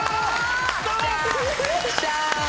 よっしゃー！